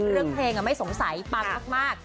เรื่องเพลงไม่สงสัยปังมาก